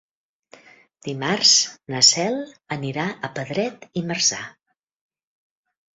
Dimarts na Cel anirà a Pedret i Marzà.